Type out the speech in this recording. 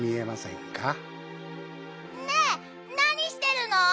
ねえなにしてるの？